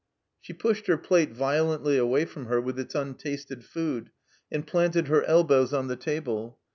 She pushed her plate violently away from her with its tmtasted food, and planted her elbows on the table.